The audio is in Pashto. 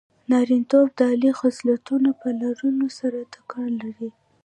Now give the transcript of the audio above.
نارینتوب د عالي خصلتونو په لرلو سره ټکر لري.